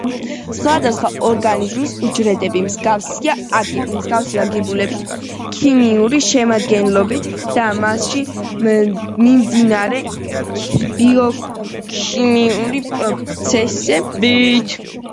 სხვადასხვა ორგანიზმის უჯრედები მსგავსია აგებულებით, ქიმიური შემადგენლობით და მასში მიმდინარე ბიოქიმიური პროცესებით.